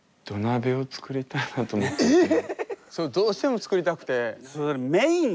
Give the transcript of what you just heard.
そうどうしても作りたくて。